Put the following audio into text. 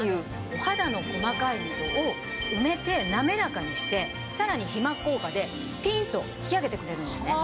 お肌の細かい溝を埋めて滑らかにしてさらに皮膜効果でピンと引き上げてくれるんですね。